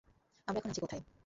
আমরা এখন আছি কোথায়?